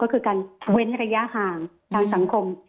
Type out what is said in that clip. ก็คือการเว้นระยะห่างทางสังคม